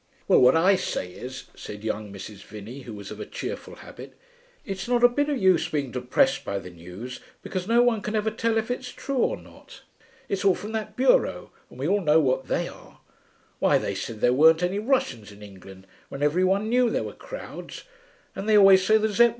'Well, what I say is,' said young Mrs. Vinney, who was of a cheerful habit, 'it's not a bit of use being depressed by the news, because no one can ever tell if it's true or not. It's all from that Bureau, and we all know what they are. Why, they said there weren't any Russians in England, when every one knew there were crowds, and they always say the Zepp.